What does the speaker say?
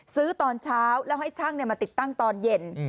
ตอนเช้าแล้วให้ช่างมาติดตั้งตอนเย็น